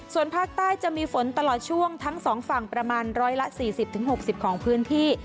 ส่วนภาคใต้จะมีฝนตลอดช่วงทั้ง๒ฝั่งประมาณ๑๔๐๖๐ของพื้นที่